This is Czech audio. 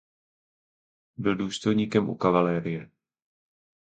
Byl důstojníkem u kavalérie.